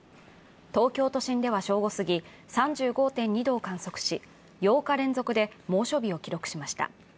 東京都心では正午過ぎ３５．２度を観測し、８日連続で猛暑日を記録しました。